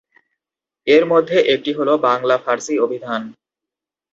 এর মধ্যে একটি হলো বাংলা-ফারসি অভিধান।